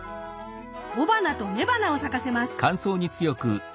雄花と雌花を咲かせます。